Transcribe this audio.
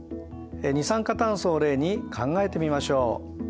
二酸化炭素を例に考えてみましょう。